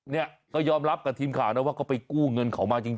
เนี่ยก็ยอมรับกับทีมข่าวนะว่าก็ไปกู้เงินเขามาจริง